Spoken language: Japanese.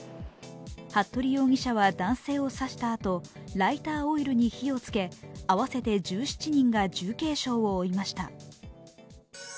服部容疑者は男性を刺したあとライターオイルに火を付け合わせて１７人が重軽傷を負いました。